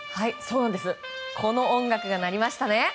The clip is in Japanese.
この音楽が鳴りましたね。